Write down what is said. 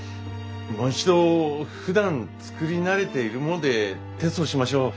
もう一度ふだん作り慣れているものでテストしましょう。